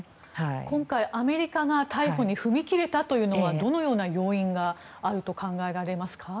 今回、アメリカが逮捕に踏み切れたのはどのような要因があると考えられますか。